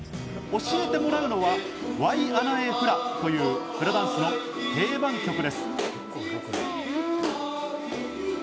教えてもらうのは『ワイアナエフラ』というフラダンスの定番曲です。